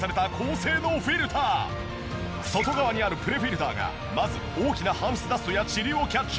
外側にあるプレフィルターがまず大きなハウスダストやチリをキャッチ。